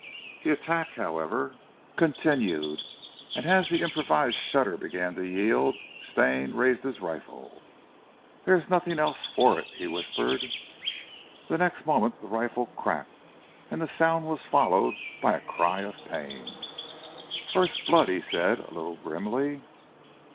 The attack however, continued, and as the improvised shutter began to yield, Stane raised his rifle. "There is nothing else for it," he whispered. The next moment the rifle cracked and the sound was followed by a cry of pain. "First blood!" he said, a little grimly.